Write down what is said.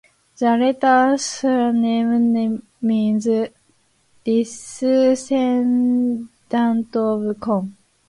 The latter surname means "descendant of "Conn".